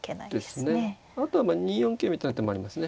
あとは２四桂みたいな手もありますね。